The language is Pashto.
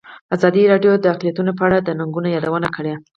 ازادي راډیو د اقلیتونه په اړه د ننګونو یادونه کړې.